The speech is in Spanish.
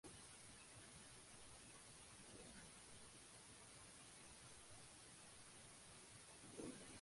La canción se centra en la programación y carece de instrumentación en vivo.